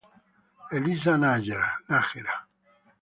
Elisa Nájera